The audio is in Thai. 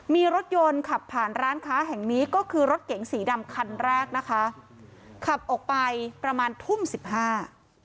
มีรถยนต์ขับผ่านร้านค้าแห่งนี้ก็คือรถเก๋งสีดำคันแรกนะคะขับออกไปประมาณทุ่มสิบห้า